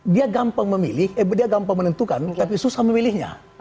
dia gampang memilih eh dia gampang menentukan tapi susah memilihnya